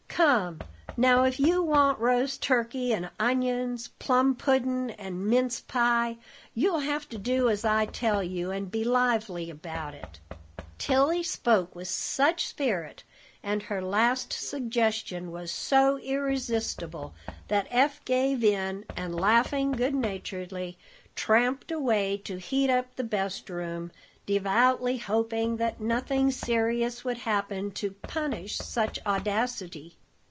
Come, now, if you want roast turkey and onions, plum puddin' and mince pie, you'll have to do as I tell you, and be lively about it." Tilly spoke with such spirit, and her last suggestion was so irresistible, that Eph gave in, and, laughing good naturedly, tramped away to heat up the best room, devoutly hoping that nothing serious would happen to punish such audacity.